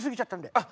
あっ。